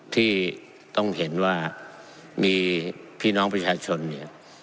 ที่ต้องเห็นว่ามีพี่น้องประชาชนเนี่ย